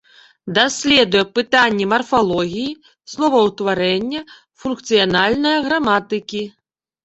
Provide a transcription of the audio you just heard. Даследуе пытанні марфалогіі, словаўтварэння, функцыянальная граматыкі.